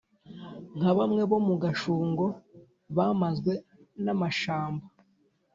Nka bamwe bo mu gashungo Bamazwe n'amashamba,